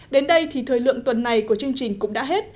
đến đây thì thời lượng tuần này của chương trình cũng đã hết